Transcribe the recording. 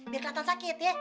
biar kelihatan sakit ya